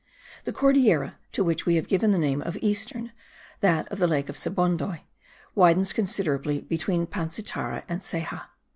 The Cordillera, to which we have given the name of eastern, that of the lake of Sebondoy, widens considerably between Pansitara and Ceja.